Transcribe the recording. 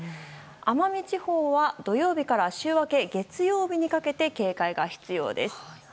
奄美地方は土曜日から週明け月曜日にかけて警戒が必要です。